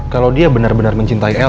kalau dia bener bener mencintai elsa